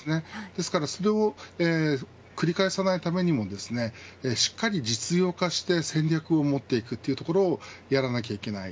ですからそれを繰り返さないためにもしっかり実用化して戦略を持っていくというところをやらなければいけない。